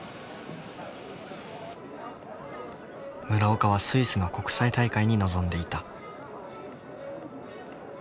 村岡はスイスの国際大会に臨んでいた。